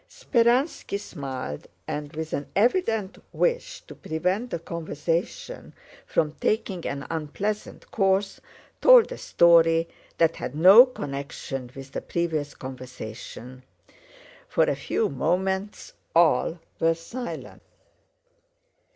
Speránski smiled and, with an evident wish to prevent the conversation from taking an unpleasant course, told a story that had no connection with the previous conversation. For a few moments all were silent.